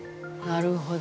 なるほど。